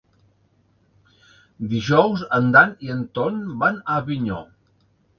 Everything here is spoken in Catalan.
Dijous en Dan i en Ton van a Avinyó.